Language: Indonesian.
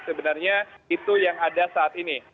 sebenarnya itu yang ada saat ini